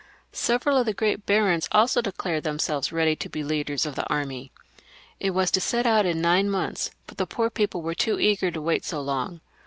Several of the great barons also declared themselves ready to be leaders of the army. It was to set out in nine months ; but the poor people were too eager to wait so long.